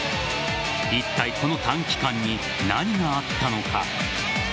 いったい、この短期間に何があったのか。